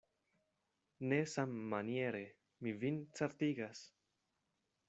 Ne sammaniere, mi vin certigas.